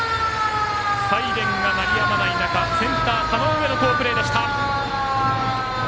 サイレンが鳴り止まない中センター、田上の好プレーでした。